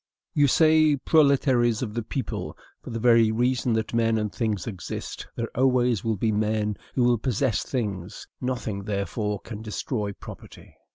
You say, proletaires of the "Peuple," "For the very reason that men and things exist, there always will be men who will possess things; nothing, therefore, can destroy property."